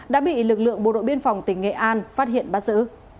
đã bị lực lượng bộ đội biên phòng tỉnh nghệ an phát hiện bắt giữ